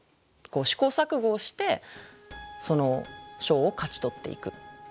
試行錯誤をしてそのショーを勝ち取っていく。